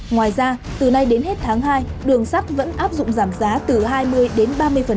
ngoài ra từ nay đến hết tháng hai đường sắt vẫn áp dụng giảm giá từ hai mươi đến ba mươi